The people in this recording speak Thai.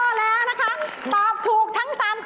ตอบถูกทั้งสามข้อ